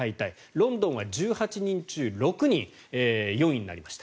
ロンドンは１８人中６人４位になりました。